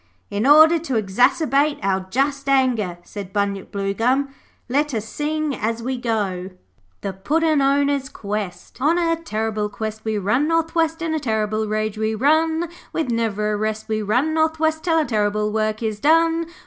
'In order to exacerbate our just anger,' said Bunyip Bluegum, 'let us sing as we go THE PUDDIN' OWNERS' QUEST 'On a terrible quest we run north west, In a terrible rage we run; With never a rest we run north west Till our terrible work is done.